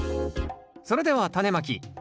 それではタネまき。